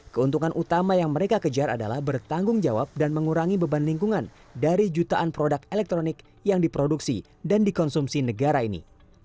keuntungan utama yang mereka kejar adalah bertanggung jawab dan mengurangi beban lingkungan dari jutaan produk elektronik yang diproduksi dan dikonsumsi negara ini